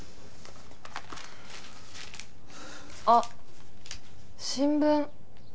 あっ新聞。